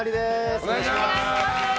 お願いします。